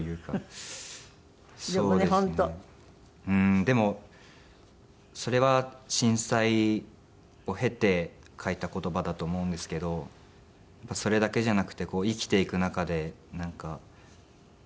でもそれは震災を経て書いた言葉だと思うんですけどそれだけじゃなくて生きていく中でなんか。